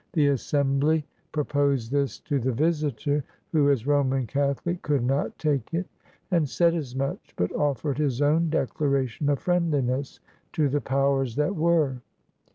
The Assembly proposed this to the visitor who, as Roman Catho lic, could not take it, and said as much, but offered his own declaration of friendliness to the powers that were.